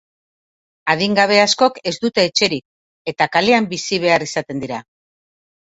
Adingabe askok ez dute etxerik, eta kalean bizi behar izaten dira.